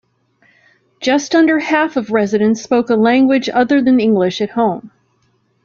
Just under half of residents spoke a language other than English at home.